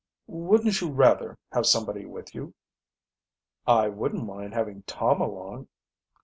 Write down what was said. "Wouldn't you rather have somebody with you?" "I wouldn't mind having Tom along."